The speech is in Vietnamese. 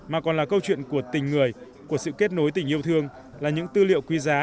mà còn là câu chuyện của tình người của sự kết nối tình yêu thương là những tư liệu quý giá